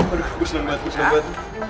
aduh gue seneng banget